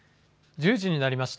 １０時になりました。